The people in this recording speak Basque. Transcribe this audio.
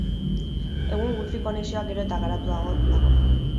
Egun wifi konexioa gero eta garatuago dago.